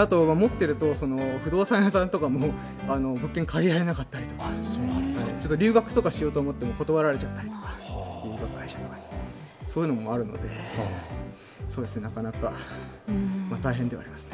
あと、持ってると不動産屋さんとかも物件、借りられなかったりとか留学とかしようと思っても断られちゃったりとか、そういうのもあるので、なかなか大変ではあります。